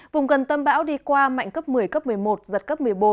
vùng gần tâm bão đi qua mạnh cấp một mươi cấp một mươi một giật cấp một mươi bốn